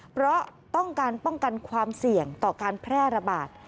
เพราะต้องการป้องกันความเสี่ยงต่อการแพร่ระบาด